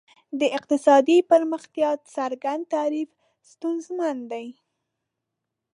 د اقتصادي پرمختیا څرګند تعریف ستونزمن دی.